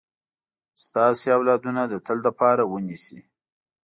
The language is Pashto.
ستاسو لاسونه د تل لپاره ونیسي.